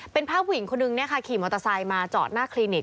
เป็นภาพผู้หญิงคนนึงขี่มอเตอร์ไซค์มาจอดหน้าคลินิก